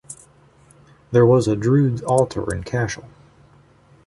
There was a druids altar in Cashel.